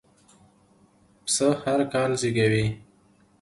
پسه هرکال زېږوي.